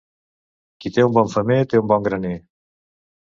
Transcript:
Qui té un bon femer, té un bon graner.